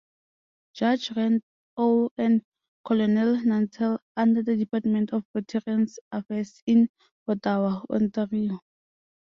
Judge Randall and Colonel Nantel under the Department of Veterans Affairs in Ottawa, Ontario.